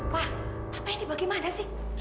pak apa ini bagaimana sih